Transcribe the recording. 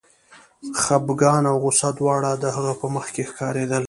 خپګان او غوسه دواړه د هغه په مخ کې ښکارېدل